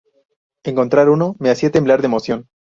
Encontrar uno me hacía temblar de emoción.